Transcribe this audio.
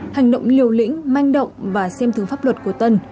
hành động liều lĩnh manh động và xem thường pháp luật của tân